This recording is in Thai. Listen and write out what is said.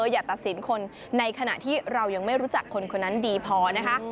อย่าตัดสินคนในขณะที่เรายังไม่รู้จักคนคนนั้นดีพอนะคะ